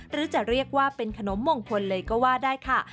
หรือจะเรียกว่าเป็นขนมมงคลเลยก็ว่าได้ค่ะ